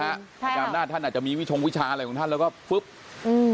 ใช่หรออาจารย์อำนาจท่านอาจจะมีวิชาอะไรของท่านแล้วก็ฟึ๊บอืม